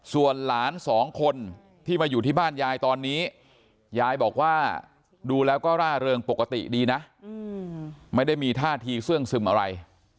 ส่วนหลานสองคนที่มาอยู่ที่บ้านยายตอนนี้ยายบอกว่าดูแล้วก็ร่าเริงปกติดีนะไม่ได้มีท่าทีเสื่องซึมอะไร